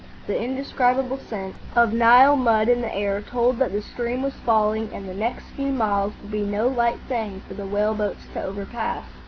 The indescribable scent of Nile mud in the air told that the stream was falling and the next few miles would be no light thing for the whale boats to overpass.